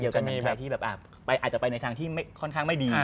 เกี่ยวกับหนังไทยที่อาจจะไปในทางที่ค่อนข้างไม่ดี